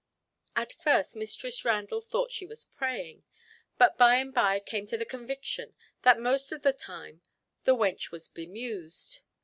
At first Mistress Randall thought she was praying, but by and by came to the conviction that most of the time "the wench was bemused."